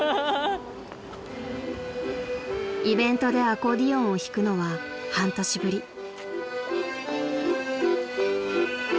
［イベントでアコーディオンを弾くのは半年ぶり］